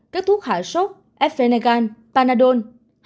một các thuốc hạ sốt f venegan panadol